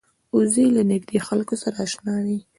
وزې له نږدې خلکو سره اشنا وي